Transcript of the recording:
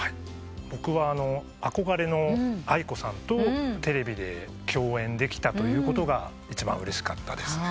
僕は憧れのａｉｋｏさんとテレビで共演できたことが一番うれしかったですね。